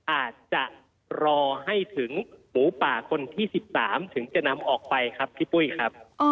อาจจะรอให้ถึงหมูป่าคนที่๑๓ถึงจะนำออกไปครับพี่ปุ้ยครับ